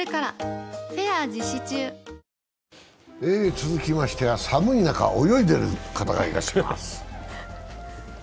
続きましては寒い中泳いでいる方がいらっしゃいます。